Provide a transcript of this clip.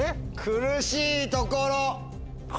苦しいところ。